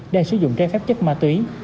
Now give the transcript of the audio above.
đang sử dụng trái phép chất ma túy